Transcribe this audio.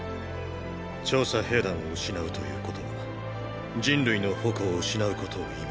調査兵団を失うということは人類の矛を失うことを意味します。